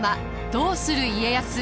「どうする家康」。